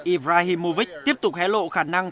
ibrahimovic tiếp tục hé lộ khả năng